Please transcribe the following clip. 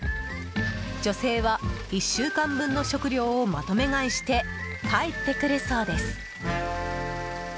女性は１週間分の食料をまとめ買いして帰ってくるそうです。